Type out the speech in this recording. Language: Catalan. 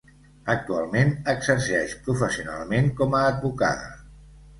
Actualment exerceix professionalment com a advocada.